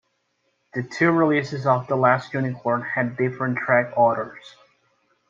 The two releases of "The Last Unicorn" had different track orders.